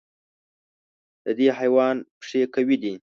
د دې حیوان پښې قوي دي.